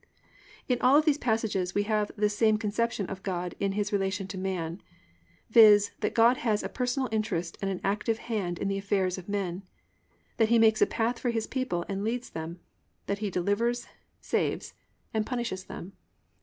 "+ In all of these passages we have this same conception of God in His relation to man, viz., that God has a personal interest and an active hand in the affairs of men; that He makes a path for His people and leads them; that He delivers, saves and punishes them.